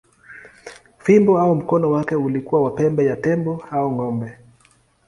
Fimbo au mkono wake ulikuwa wa pembe ya tembo au ng’ombe.